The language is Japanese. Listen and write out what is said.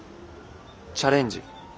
チャレンジ？